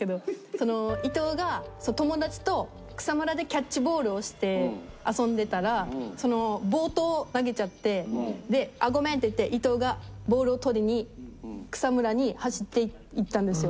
その伊藤が友達と草むらでキャッチボールをして遊んでたら暴投投げちゃって「あっごめん」って言って伊藤がボールを取りに草むらに走っていったんですよ。